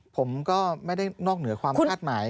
ผมก็ไม่ได้นอกเหนือความคาดหมาย